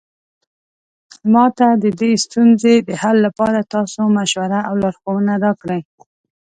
ما ته د دې ستونزې د حل لپاره تاسو مشوره او لارښوونه راکړئ